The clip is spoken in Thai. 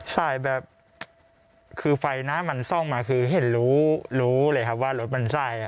สายแบบคือไฟหน้ามันซ่องมาคือเห็นรู้เลยครับว่ารถมันสาย